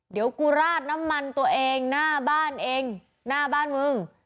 เดี๋ยวกูราดน้ำมันตัวเองหน้าบ้านเองหน้าบ้านมึง